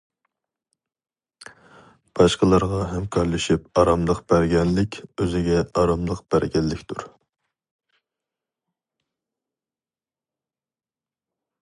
باشقىلارغا ھەمكارلىشىپ ئاراملىق بەرگەنلىك ئۆزىگە ئاراملىق بەرگەنلىكتۇر.